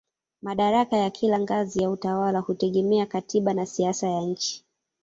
Madaraka ya kila ngazi ya utawala hutegemea katiba na siasa ya nchi.